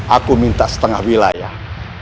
aku minta setengah wilayah